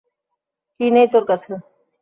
কি নেই তোর কাছে?